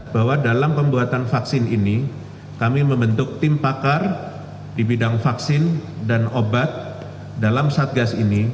bahwa dalam pembuatan vaksin ini kami membentuk tim pakar di bidang vaksin dan obat dalam satgas ini